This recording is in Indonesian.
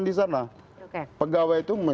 di sana pegawai itu